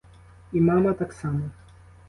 І мама так само.